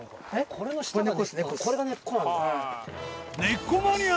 これが根っこなんだ。